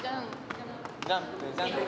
ジャンプジャンプ。